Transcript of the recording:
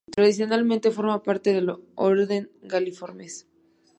Tradicionalmente forma parte del orden Galliformes.